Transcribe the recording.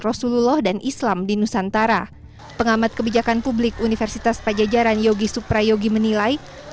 rasulullah dan islam di nusantara pengamat kebijakan publik universitas pajajaran yogi suprayogi menilai